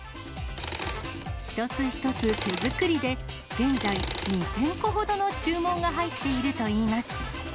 一つ一つ手作りで、現在、２０００個ほどの注文が入っているといいます。